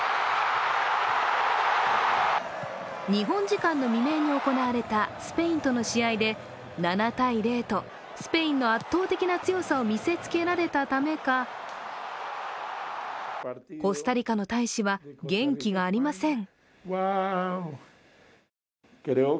日本時間の未明に行われた、スペインとの試合で７−０と、スペインの圧倒的な強さを見せつけられたためかコスタリカの大使は元気がありません。